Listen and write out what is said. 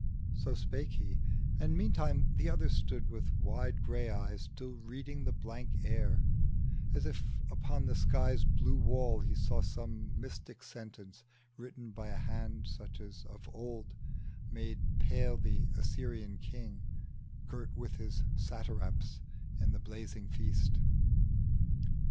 So spake he, and meantime the other stood With wide gray eyes still reading the blank air, As if upon the sky's blue wall he saw Some mystic sentence, written by a hand Such as of old made pale the Assyrian king, Girt with his satraps in the blazing feast.